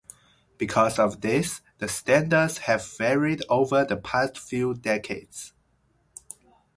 Because of this the standards have varied over the past few decades.